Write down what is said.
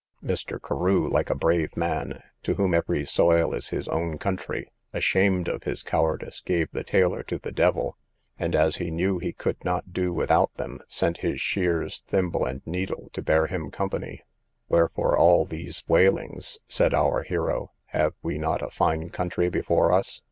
Mr. Carew, like a brave man, to whom every soil is his own country, ashamed of his cowardice, gave the tailor to the devil; and, as he knew he could not do without them, sent his shears, thimble, and needle, to bear him company. Wherefore all these wailings? said our hero: have we not a fine country before us?